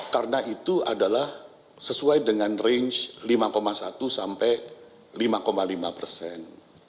karena itu adalah sesuai dengan range lima satu sampai lima lima persen